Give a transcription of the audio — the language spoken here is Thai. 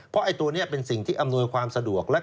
เพราะไอ้ตัวนี้เป็นสิ่งที่อำนวยความสะดวก